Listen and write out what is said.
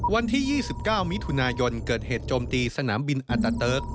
วันที่๒๙มิถุนายนเกิดเหตุโจมตีสนามบินอัตาเติร์ก